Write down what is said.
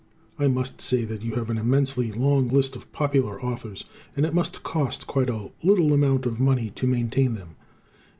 I must say that you have an immensely long list of popular authors, and it must cost quite a little amount of money to maintain them.